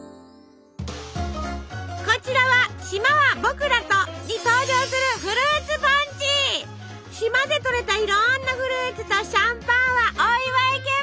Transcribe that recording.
こちらは「島はぼくらと」に登場する島でとれたいろんなフルーツとシャンパンはお祝い気分！